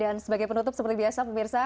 dan sebagai penutup seperti biasa pemirsa